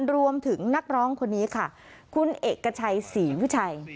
รวมถึงนักร้องคนนี้ค่ะคุณเอกชัยศรีวิชัย